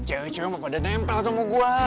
cewek cewek mau pada nempel sama gue